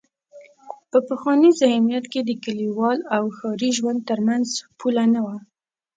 په پخواني ذهنیت کې د کلیوال او ښاري ژوند تر منځ پوله نه وه.